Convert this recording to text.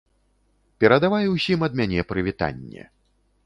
Перадавай усім ад мяне прывітанне.